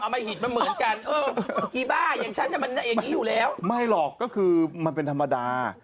ไม่อยู่แล้วไม่หรอกก็คือมันเป็นธรรมดา